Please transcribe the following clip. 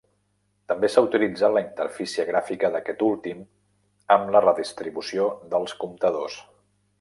També s'ha utilitzat la interfície gràfica d'aquest últim amb la redistribució dels comptadors.